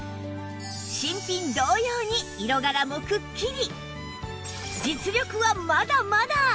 新品同様に色柄もくっきり